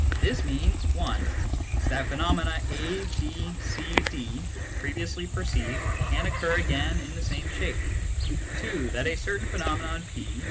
This means : (i) That phenomena a, b, c, d, previously perceived, can occur again in the same shape ; (2) that a certain phenomenon P, which 1 Logic, Bk.